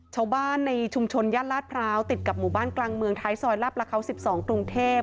ชาวบ้านในชุมชนย่านลาดพร้าวติดกับหมู่บ้านกลางเมืองท้ายซอยลาบละเขา๑๒กรุงเทพ